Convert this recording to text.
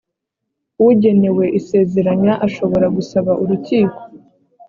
ugenewe isezeranya ashobora gusaba urukiko